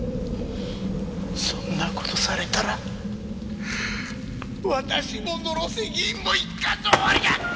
そんな事されたら私も野呂瀬議員も一巻の終わりだ！